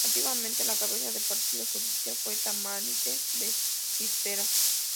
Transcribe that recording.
Antiguamente la cabeza de partido judicial fue Tamarite de Litera.